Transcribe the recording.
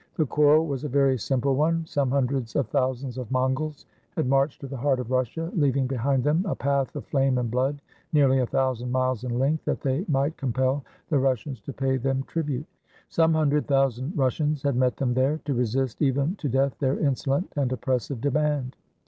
The quarrel was a very simple one. Some hun dreds of thousands of Mongols had marched to the heart of Russia, leaving behind them a path of flame and blood nearly a thousand miles in length, that they might com pel the Russians to pay them tribute. Some hundred thousand Russians had met them there, to resist even to death their insolent and oppressive demand.